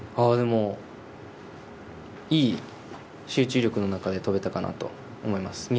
いい集中力の中で飛べたかなと思います。